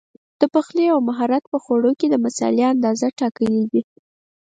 د پخلي یو مهارت په خوړو کې د مسالې اندازه ټاکل دي.